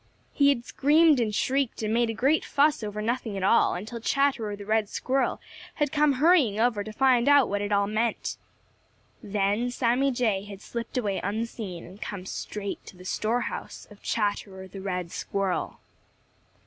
He had screamed and shrieked and made a great fuss over nothing at all until Chatterer the Red Squirrel had come hurrying over to find out what it all meant. Then Sammy Jay had slipped away unseen and come straight to the store house of Chatterer the Red Squirrel.